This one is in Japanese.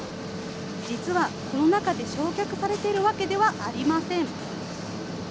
実は、この中で焼却されているわけではありません。